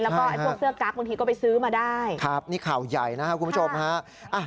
แล้วก็ไอ้พวกเสื้อกั๊กบางทีก็ไปซื้อมาได้ครับนี่ข่าวใหญ่นะครับคุณผู้ชมฮะ